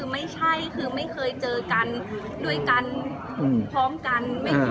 ไม่ใช่คือไม่เคยเจอกันด้วยกันพร้อมกัน